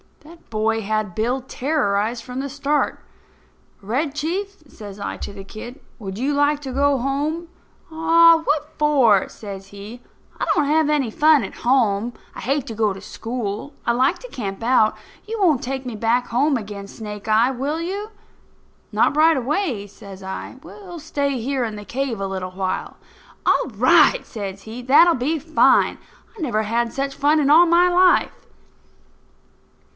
That boy had Bill terrorized from the start. "Red Chief," says I to the kid, "would you like to go home?" "Aw, what for?" says he. "I don't have any fun at home. I hate to go to school. I like to camp out. You won't take me back home again, Snake eye, will you?" "Not right away," says I. "We'll stay here in the cave a while." "All right!" says he. "That'll be fine. I never had such fun in all my life."